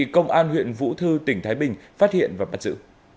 công an huyện vũ thư tỉnh thái bình phát hiện và bắt giữ